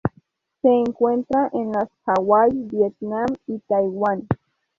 Se encuentra en las Hawaii, Vietnam y Taiwán.